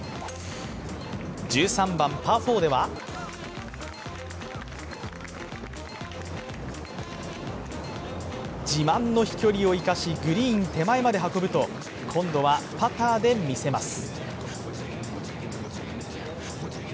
１３番パー４では自慢の飛距離を生かし、グリーン手前まで運ぶと今度はパターで見せます。